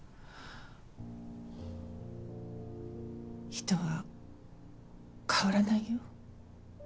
人は変わらないよ？